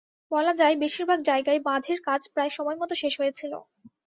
বলা যায়, বেশির ভাগ জায়গায় বাঁধের কাজ প্রায় সময়মতো শেষ হয়েছিল।